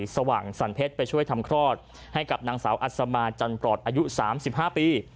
สว่างสรรเพชรไปช่วยทำคลอดให้กับนางสาวอัศมาจันปลอดอายุ๓๕ปี